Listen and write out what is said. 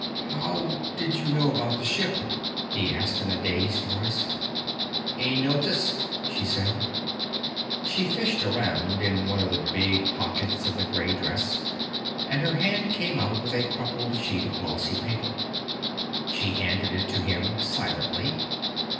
"How did you know about the ship?" he asked in a dazed voice. "A notice," she said. She fished around in one of the big pockets of the gray dress and her hand came out with a crumpled sheet of glossy paper. She handed it to him silently.